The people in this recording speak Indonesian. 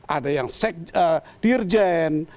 ada yang dirjen